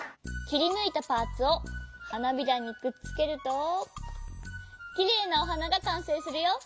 きりぬいたパーツをはなびらにくっつけるときれいなおはながかんせいするよ。